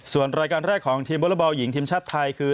ส่วนรายการแรกของทีมวอเลอร์บอลหญิงทีมชาติไทยคือ